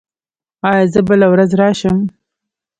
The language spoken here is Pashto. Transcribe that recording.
ایا زه بله ورځ راشم؟